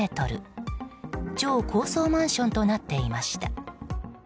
超高層マンションとなっていました。